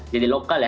jadi lokal ya